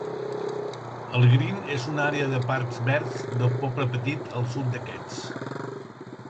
El Green és una àrea de parcs verds de poble petit al sud d'aquests.